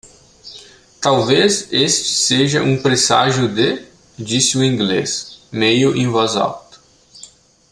"Talvez este seja um presságio de?" disse o inglês? meio em voz alta.